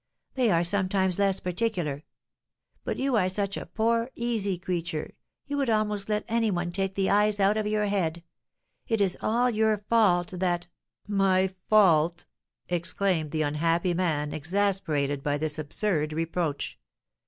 They are sometimes less particular. But you are such a poor, easy creature, you would almost let any one take the eyes out of your head. It is all your fault that " "My fault!" exclaimed the unhappy man, exasperated by this absurd reproach.